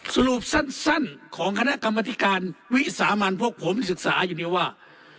สรุปสั้นสั้นของคณะกรรมนาฬิการวิสามันพวกผมศึกษาจะว่า